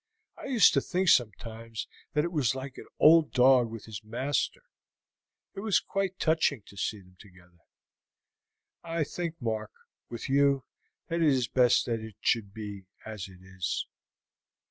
I used to think sometimes that it was like an old dog with his master. It was quite touching to see them together. I think, Mark, with you, that it is best that it should be as it is."